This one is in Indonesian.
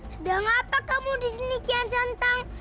sedang apa kamu disini kian santang